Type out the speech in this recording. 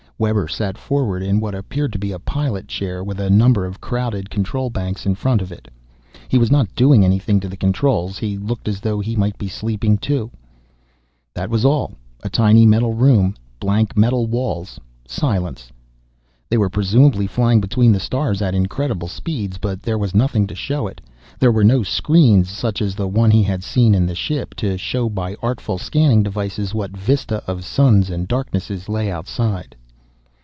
Webber sat forward, in what appeared to be a pilot chair with a number of crowded control banks in front of it. He was not doing anything to the controls. He looked as though he might be sleeping, too. That was all a tiny metal room, blank metal walls, silence. They were, presumably, flying between the stars at incredible speeds but there was nothing to show it. There were no screens such as the one he had seen in the ship, to show by artful scanning devices what vista of suns and darknesses lay outside.